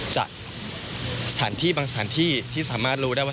จากสถานที่บางสถานที่ที่สามารถรู้ได้ว่า